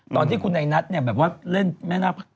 ตอนที่คุณในนัทเนี่ยแบบว่าเล่นแม่หน้าพัก